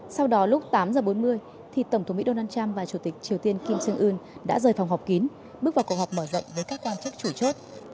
sau đó lúc tám giờ bốn mươi thì tổng thống mỹ donald trump và chủ tịch triều tiên kim sương ưn đã rời phòng họp kín bước vào cuộc họp mở rộng với các quan chức chủ chốt